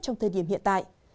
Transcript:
trong thời điểm hiện tại